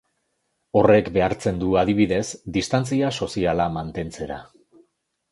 Horrek behartzen du, adibidez, distantzia soziala mantentzera.